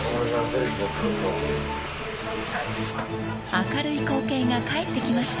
［明るい光景が帰ってきました］